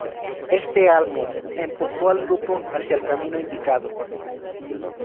Este álbum empujó al grupo hacía el camino indicado.